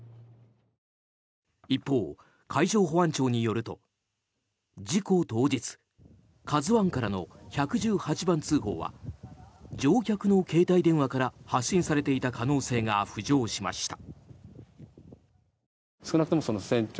一方、海上保安庁によると事故当日「ＫＡＺＵ１」からの１１８番通報は乗客の携帯電話から発信されていた可能性が浮上しました。